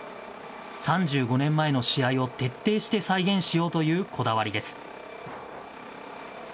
３５年前の試合を徹底して再現しようというこだわりです。